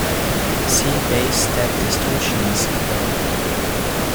See base step distortions above.